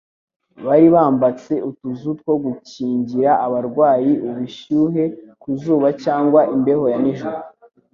Bari bambatse utuzu two gukingira abarwayi ubushyuhe ku zuba cyangwa imbeho ya nijoro.